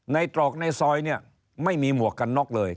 ในตรอกในซอยไม่มีหมวกกันน็อกเลย